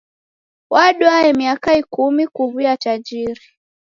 Wadwae miaka ikumi kuw'uya tajiri.